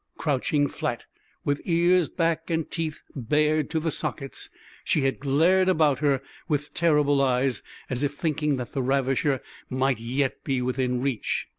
Crouching flat, with ears back and teeth bared to the sockets, she had glared about her with terrible eyes, as if thinking that the ravisher might yet be within reach.